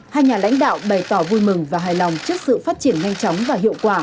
hai nhà lãnh đạo bày tỏ vui mừng và hài lòng trước sự phát triển nhanh chóng và hiệu quả